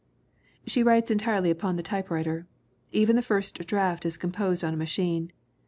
She writes entirely upon the typewriter. Even the first draft is composed on a machine.